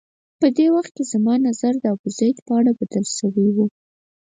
په دې وخت کې زما نظر د ابوزید په اړه بدل شوی و.